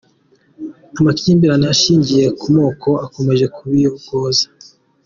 Amakimbirane ashingiye ku moko akomeje kubiyogoza